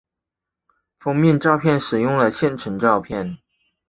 封面照片使用了现成照片。